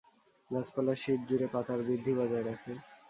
গাছপালা শীত জুড়ে পাতার বৃদ্ধি বজায় রাখে।